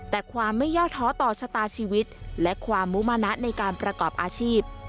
แต่ความไม่ย่อท้อต่อชะตาชีวิตและความมุมนะในการประกอบอาชีพ